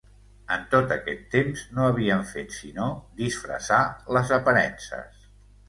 En tot aquest temps, no havien fet sinó disfressar les aparences.